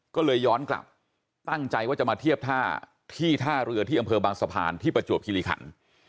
ก็เลยย้อนกลับตั้งใจว่าจะมาเทียบท่าที่ท่าเรือที่อำเภอบางสะพานที่ประจวบคิริขัน